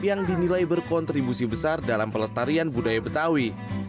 yang dinilai berkontribusi besar dalam pelestarian budaya betawi